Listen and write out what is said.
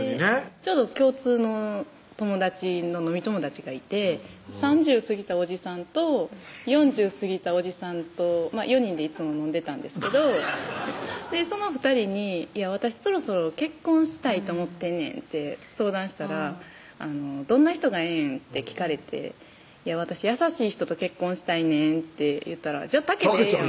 ちょうど共通の友達の飲み友達がいて３０過ぎたおじさんと４０過ぎたおじさんと４人でいつも飲んでたんですけどそのふたりに「私そろそろ結婚したいと思ってんねん」って相談したら「どんな人がええん？」って聞かれて「私優しい人と結婚したいねん」って言ったら「じゃあたけでええやん」